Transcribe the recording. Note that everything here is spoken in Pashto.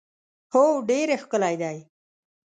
هو ډېر ښکلی دی.